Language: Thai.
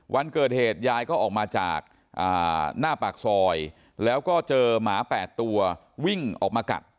วันเกิดเหตุยายก็ออกมาจากหน้าปากซอยแล้วก็เจอหมา๘ตัววิ่งออกมากัด